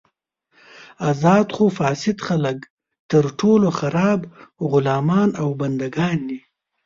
ازاد خو فاسد خلک تر ټولو خراب غلامان او بندګان دي.